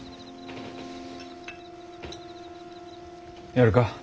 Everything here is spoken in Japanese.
やるか？